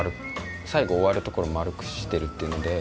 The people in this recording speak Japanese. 最後終わるところも丸くしているというので。